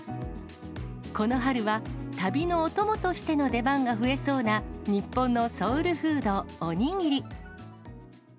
この春は、旅のお供としての出番が増えそうな日本のソウルフード、おにぎり。